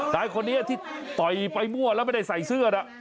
นายคนนี้ที่ต่อยไปมั่วแล้วไม่ได้ใส่เสื้อนะ